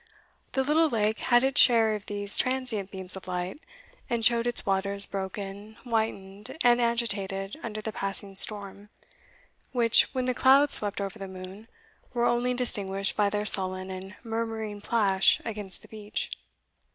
The little lake had its share of these transient beams of light, and showed its waters broken, whitened, and agitated under the passing storm, which, when the clouds swept over the moon, were only distinguished by their sullen and murmuring plash against the beach.